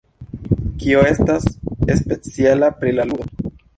Kio estas speciala pri la ludo?